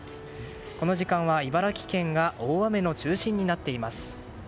この時間は茨城県が大雨の中心になっています。